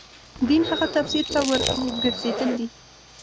دین هغه تفسیر ته ورګرځېدل دي.